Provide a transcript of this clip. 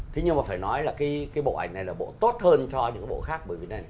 thế nhưng mà phải nói là cái bộ ảnh này là bộ tốt hơn cho những bộ khác